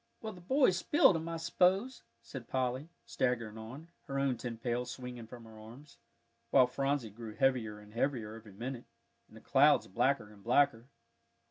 "Well, the boys spilled 'em, I s'pose," said Polly, staggering on, her own tin pail swinging from her arms, while Phronsie grew heavier and heavier every minute, and the clouds blacker and blacker.